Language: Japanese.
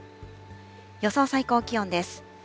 予想最高気温です。